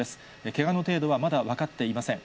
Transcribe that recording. けがの程度はまだ分かっていません。